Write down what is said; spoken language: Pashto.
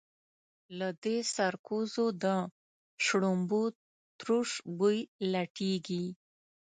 له دې سرکوزو د شړومبو تروش بوی لټېږي.